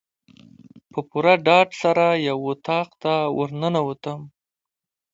په پوره ډاډ سره یو اطاق ته ورننوتم.